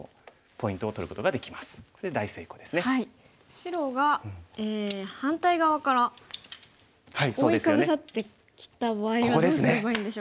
白が反対側から覆いかぶさってきた場合はどうすればいいんでしょうか。